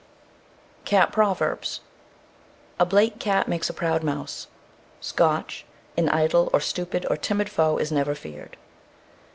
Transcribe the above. _ CAT PROVERBS. A BLATE cat makes a proud mouse (Scotch). An idle, or stupid, or timid foe is never feared.